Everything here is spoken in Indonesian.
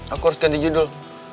aku harus ganti judul